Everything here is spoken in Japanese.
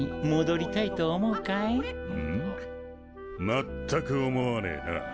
まったく思わねえな。